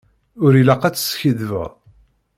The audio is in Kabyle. Ur ilaq ad teskiddbeḍ.